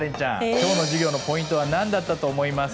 今日の授業のポイントは何だったと思いますか？